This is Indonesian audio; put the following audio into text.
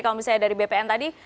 kalau misalnya dari bpn tadi